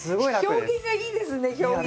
表現がいいですね表現。